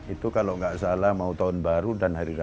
itu kalau nggak salah mau tahun baru dan hari raya